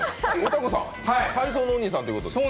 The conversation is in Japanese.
体操のお兄さんということで。